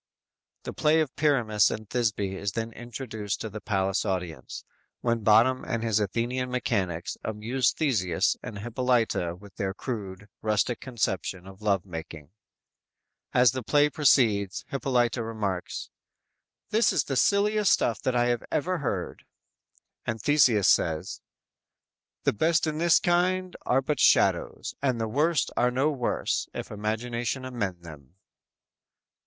"_ The play of Pyramus and Thisby is then introduced to the palace audience, when Bottom and his Athenian mechanics amuse Theseus and Hippolyta with their crude, rustic conception of love making. As the play proceeds Hippolyta remarks: "This is the silliest stuff that I ever heard." And Theseus says: _"The best in this kind are but shadows; And the worst are no worse, if imagination amend them!"